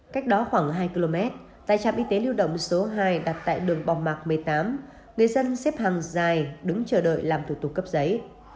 cách đó khoảng hai km tại trạm y tế lưu động số hai đặt tại đường bồng mạc một mươi tám người dân xếp hàng dài đứng chờ đợi làm thủ tục cấp giấy